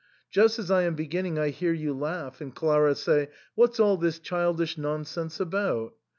Just as I am beginning, I hear you laugh and Clara say, "What's all this childish non sense about